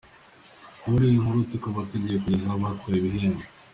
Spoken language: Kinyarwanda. Muri iyi nkuru tukaba tugiye kubagezaho abatwaye ibihembo.